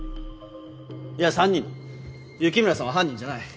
いや３人雪村さんは犯人じゃない。